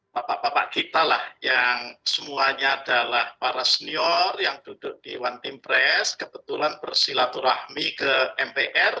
bapak bapak kita lah yang semuanya adalah para senior yang duduk di one team press kebetulan bersilaturahmi ke mpr